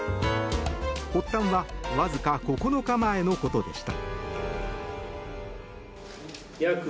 発端はわずか９日前のことでした。